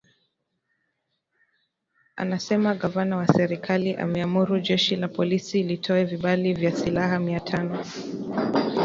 anasema gavana wa serikali ameamuru jeshi la polisi litoe vibali vya silaha mia tano